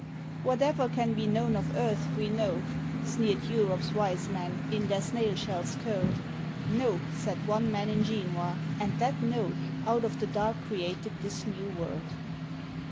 Whatever can be known of earth we know, Sneered Europe's wise men, in their snail shells curled; No! said one man in Genoa, and that No Out of the dark created this New World.